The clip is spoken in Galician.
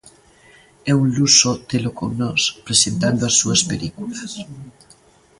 É un luxo telo con nós, presentando as súas películas.